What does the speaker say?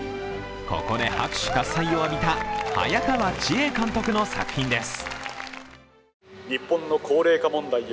ここで拍手喝采を浴びた、早川千絵監督の作品です。